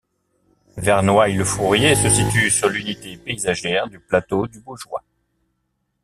Vernoil-le-Fourrier se situe sur l'unité paysagère du Plateau du Baugeois.